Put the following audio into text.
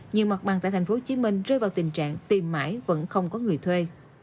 nhiều mặt bằng tại tp hcm rơi vào tình trạng tiền mãi vẫn không có người thuê